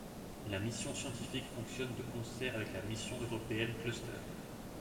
La mission scientifique fonctionne de concert avec la mission européenne Cluster.